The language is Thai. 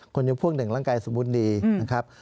คนยำพวก๑ร่างกายสมบูรณ์ดีนะครับ